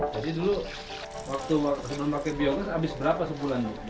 jadi dulu waktu kita memakai biogas habis berapa sebulan